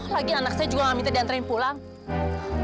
lagian anak saya juga gak minta diantre pulang